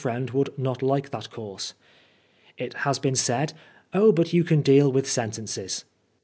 friend would not like that course. It has been said, Oh, but you can deal with sen tences.'